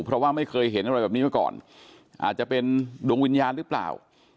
เพราะว่าไม่เคยเห็นอะไรแบบนี้มาก่อนอาจจะเป็นดวงวิญญาณหรือเปล่า